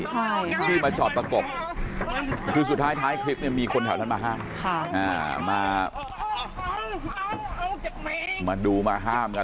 ใช่ค่ะที่มาจอดประกบคือสุดท้ายท้ายคลิปเนี่ยมีคนแถวนั้นมาห้ามมามาดูมาห้ามกัน